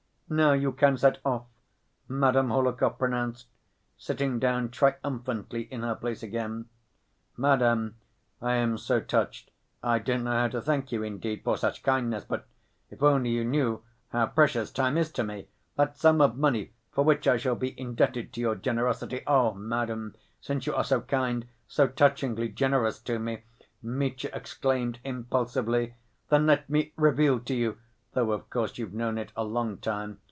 "Now you can set off," Madame Hohlakov pronounced, sitting down triumphantly in her place again. "Madam, I am so touched. I don't know how to thank you, indeed ... for such kindness, but ... If only you knew how precious time is to me.... That sum of money, for which I shall be indebted to your generosity.... Oh, madam, since you are so kind, so touchingly generous to me," Mitya exclaimed impulsively, "then let me reveal to you ... though, of course, you've known it a long time